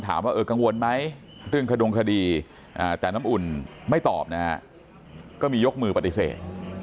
แต่น้ำอุ่นไม่ตอบนะฮะก็มียกมือปฏิเสธ